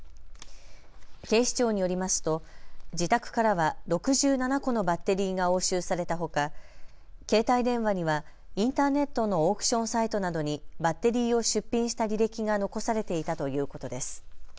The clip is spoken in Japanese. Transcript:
警視庁によりますと自宅からは６７個のバッテリーが押収されたほか携帯電話にはインターネットのオークションサイトなどにバッテリーを出品した履歴が残されていたということです。